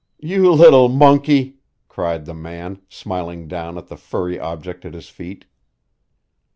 "You little monkey!" cried the man, smiling down at the furry object at his feet.